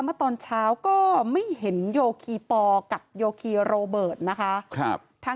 เมื่อตอนเช้าก็ไม่เห็นโยคีปอลกับโยคีโรเบิร์ตนะคะ